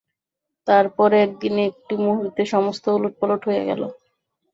তার পর একদিনে একটি মুহূর্তে সমস্ত উলটপালট হইয়া গেল।